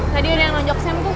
tadi udah yang lonjok sam tuh